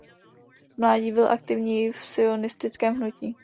V mládí byl aktivní v sionistickém hnutí.